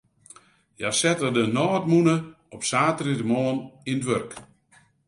Hja sette de nôtmûne op saterdeitemoarn yn it wurk.